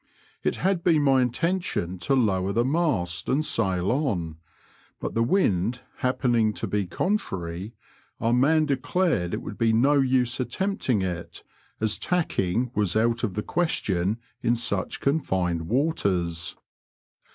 It had been my intention to lower the mast and sail on, but the wind happening to be contrary, our man declared it would be no use attempting it, as tacking was out of the question in such confined waters.